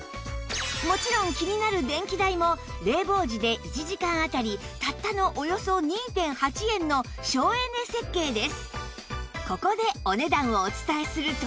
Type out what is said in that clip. もちろん気になる電気代も冷房時で１時間当たりたったのおよそ ２．８ 円の省エネ設計です